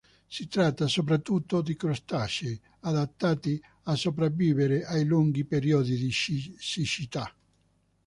Si tratta soprattutto di crostacei, adattati a sopravvivere ai lunghi periodi di siccità.